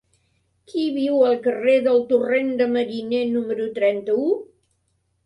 Qui viu al carrer del Torrent de Mariner número trenta-u?